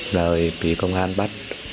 rồi bị công an bắt